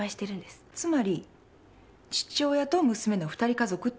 つまり父親と娘の二人家族ってことね？